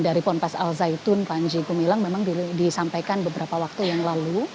dari ponpes al zaitun panji gumilang memang disampaikan beberapa waktu yang lalu